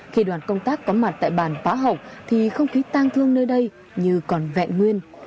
khi đoạn công tác có mặt tại bản phó học thì không khí tan thương nơi đây như còn vẹn nguyên